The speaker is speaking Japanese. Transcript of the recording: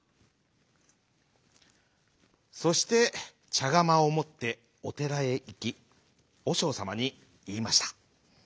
そしてちゃがまをもっておてらへいきおしょうさまにいいました。